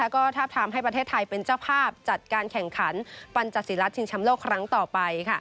ก็ทาบทามให้ประเทศไทยเป็นเจ้าภาพจัดการแข่งขันปัญจศิรัตนชิงชำโลกครั้งต่อไป